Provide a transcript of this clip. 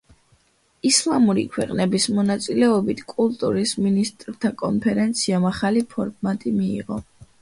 ისლამური ქვეყნების მონაწილეობით, კულტურის მინისტრთა კონფერენციამ ახალი ფორმატი მიიღო.